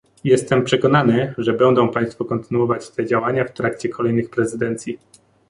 Jestem przekonany, że będą Państwo kontynuować te działania w trakcie kolejnych prezydencji